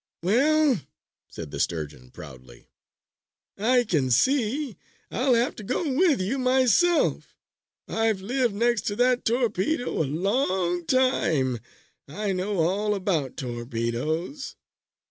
"Well," said the Sturgeon, proudly, "I can see I'll have to go with you myself. I've lived next to that torpedo a long time. I know all about torpedoes."